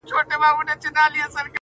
شپه اوږده او درنه وي تل,